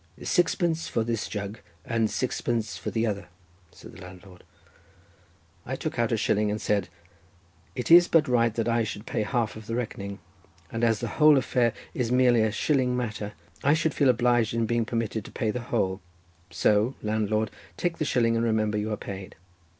"Sixpence for this jug, and sixpence for the other," said the landlord. I took out a shilling and said: "It is but right that I should pay half of the reckoning, and as the whole affair is merely a shilling matter I should feel obliged in being permitted to pay the whole, so, landlord, take the shilling and remember you are paid."